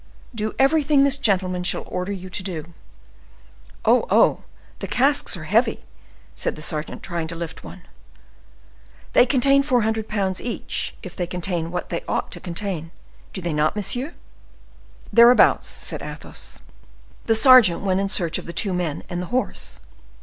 "Do everything this gentleman shall order you to do." "Oh! oh! the casks are heavy," said the sergeant, trying to lift one. "They weigh four hundred pounds each, if they contain what they ought to contain, do they not, monsieur." "Thereabouts," said Athos. The sergeant went in search of the two men and the horse.